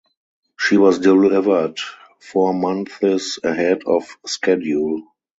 She was delivered four months ahead of schedule.